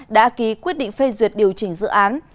đã ký quyết định phê duyệt điều chỉnh dự án